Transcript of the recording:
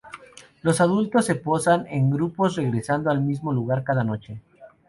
Los adultos se posan en grupos, regresando al mismo lugar cada noche.